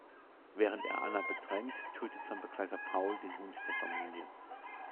Während er Anna bedrängt, tötet sein Begleiter Paul den Hund der Familie.